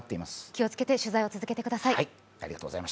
気をつけて取材を続けてください。